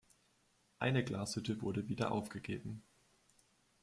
Eine Glashütte wurde wieder aufgegeben.